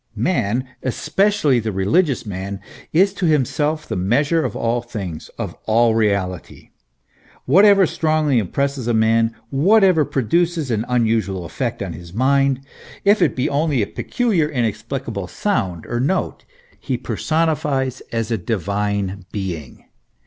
Man, especially the religious man, is to himself the measure of all things, of all reality. Whatever strongly impresses a man, whatever pro duces an unusual effect on his mind, if it be only a peculiar, inexplicable sound or note, he personifies as a divine being.